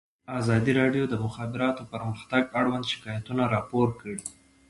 ازادي راډیو د د مخابراتو پرمختګ اړوند شکایتونه راپور کړي.